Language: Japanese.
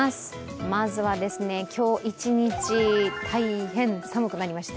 まずは今日一日、大変寒くなりまして。